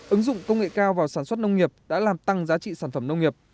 ứng dụng công nghệ cao vào sản xuất nông nghiệp đã làm tăng giá trị sản phẩm nông nghiệp